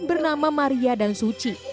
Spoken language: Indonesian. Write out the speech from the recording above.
bernama maria dan suci